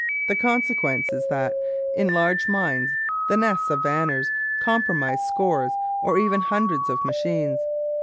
The consequence is that in large mines the nests of vanners comprise scores or even hundreds of machines.